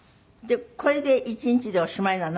これで一日でおしまいなの？